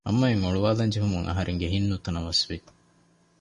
މަންމައަށް އޮޅުވާލަން ޖެހުމުން އަހަރެންގެ ހިތް ނުތަނަވަސް ވި